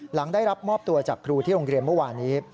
หลังได้รับมอบตัวจากครูที่โรงเรียนเมื่อวานี้